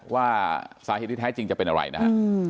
ว่าสาเหตุที่แท้จริงจะเป็นอะไรนะฮะ